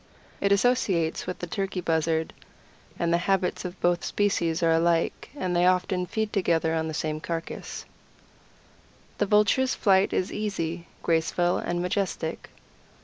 It associates with the Turkey Buzzard, and the habits of both species are alike, and they often feed together on the same carcass. The Vulture's flight is easy, graceful, and majestic.